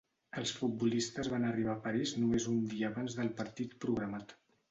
Els futbolistes van arribar a París només un dia abans del partit programat.